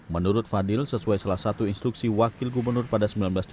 menurut fadil sesuai salah satu instruksi wakil gubernur pada seribu sembilan ratus tujuh puluh